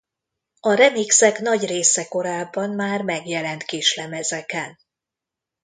A remixek nagy része korábban már megjelent kislemezeken.